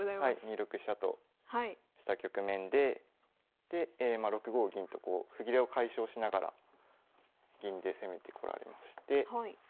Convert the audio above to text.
２六飛車とした局面でで６五銀とこう歩切れを解消しながら銀で攻めてこられまして。